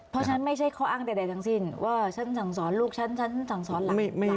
เพราะฉะนั้นไม่ใช่ข้ออ้างใดทั้งสิ้นว่าฉันสั่งสอนลูกฉันฉันสั่งสอนหลาน